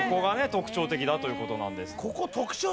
特徴的だという事なんです。